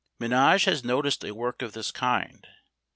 Menage has noticed a work of this kind.